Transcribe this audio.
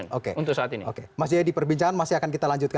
munculnya partai baru